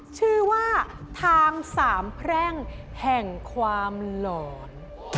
ชื่อว่าทางสามแพร่งแห่งความหลอน